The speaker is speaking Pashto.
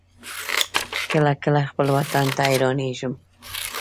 کله کله خپل وطن ته حيرانېږم.